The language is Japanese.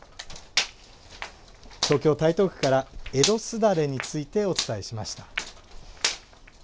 東京・台東区から江戸簾について、お伝えしました。